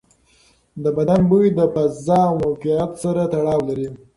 د بدن بوی د فضا او موقعیت سره تړاو لري.